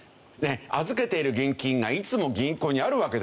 預けている現金がいつも銀行にあるわけではないんですよ。